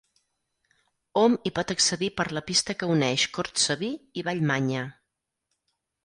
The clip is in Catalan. Hom hi pot accedir per la pista que uneix Cortsaví i Vallmanya.